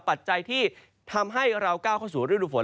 ปัจจัยที่ทำให้เราก้าวเข้าสู่ฤดูฝน